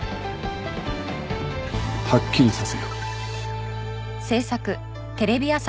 はっきりさせよう。